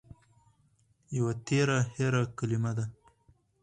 يوه تېره هېره کلمه ده